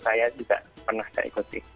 saya juga pernah saya ikuti